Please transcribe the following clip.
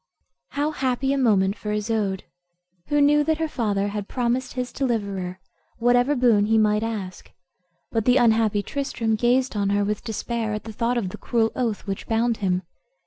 How happy a moment for Isoude, who knew that her father had promised his deliverer whatever boon he might ask! But the unhappy Tristram gazed on her with despair, at the thought of the cruel oath which bound him.